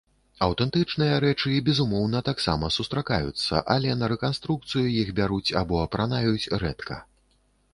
Аўтэнтычныя рэчы, безумоўна, таксама сустракаюцца, але на рэканструкцыю іх бяруць або апранаюць рэдка.